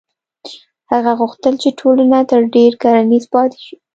هغه غوښتل چې ټولنه تر ډېره کرنیزه پاتې شي.